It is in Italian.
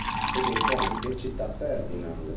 È detto anche "Città Ferdinand".